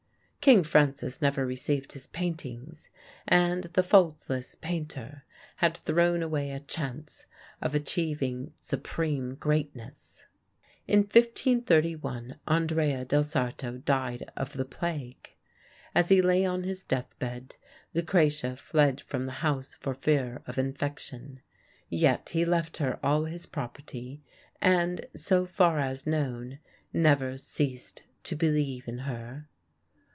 King Francis never received his paintings, and the "faultless painter" had thrown away a chance of achieving supreme greatness. In 1531 Andrea del Sarto died of the plague. As he lay on his deathbed Lucrezia fled from the house for fear of infection. Yet he left her all his property, and, so far as known, never ceased to believe in her.